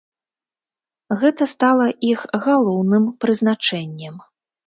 Гэта стала іх галоўным прызначэннем.